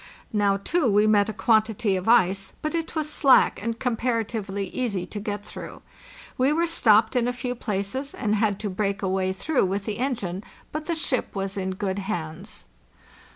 Now, too, we met a quantity of ice, but it was slack and comparatively easy to get through. We were stopped in a few places, and had to break a way through II.—37 578 FARTHEST NORTH with the engine; but the ship was in good hands.